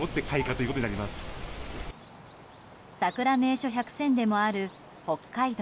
さくら名所１００選でもある北海道